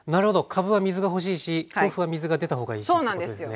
かぶは水が欲しいし豆腐は水が出た方がいいしってことですね。